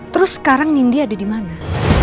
terus sekarang nindi ada di mana